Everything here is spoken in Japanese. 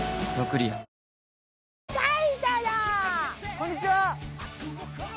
こんにちは。